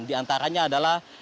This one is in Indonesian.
di antaranya adalah